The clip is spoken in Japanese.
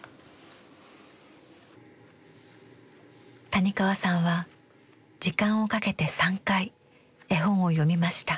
谷川さんは時間をかけて３回絵本を読みました。